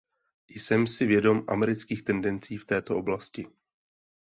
Jsem si vědom amerických tendencí v této oblasti.